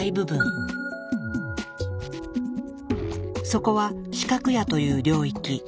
そこは視覚野という領域。